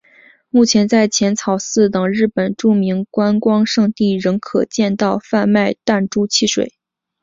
目前在浅草寺等日本著名观光胜地仍可见到贩卖弹珠汽水。